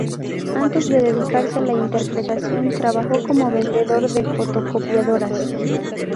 Antes de dedicarse a la interpretación trabajó como vendedor de fotocopiadoras.